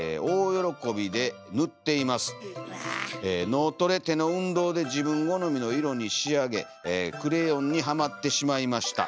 「脳トレ手の運動で自分好みの色に仕上げクレヨンにはまってしまいました。